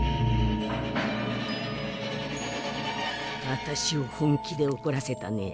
あたしを本気でおこらせたね。